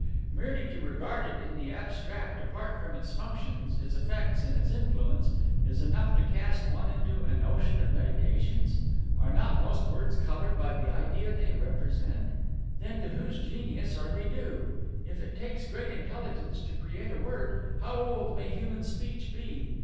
Merely to regard it in the abstract, apart from its functions, its effects, and its influence, is enough to cast one into an ocean of meditations? Are not most words colored by the idea they represent? Then, to whose genius are they due? If it takes great intelligence to create a word, how old may human speech be?